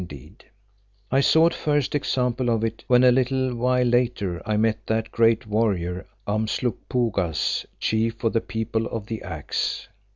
Indeed, I saw a first example of it when a little while later I met that great warrior, Umslopogaas, Chief of the People of the Axe.